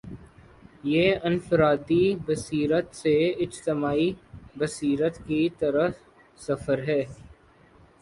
یہ انفرادی بصیرت سے اجتماعی بصیرت کی طرف سفر ہے۔